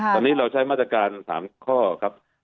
ตอนนี้เราใช้มาตรการ๓ข้อครับ